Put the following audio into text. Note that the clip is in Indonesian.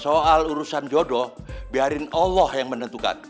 soal urusan jodoh biarin allah yang menentukan